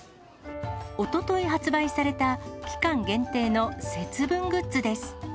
おととい発売された期間限定の節分グッズです。